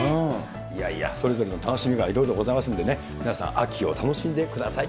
いやいや、それぞれの楽しみがいろいろございますんでね、皆さん、秋を楽しんでください。